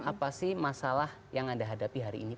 apa sih masalah yang anda hadapi hari ini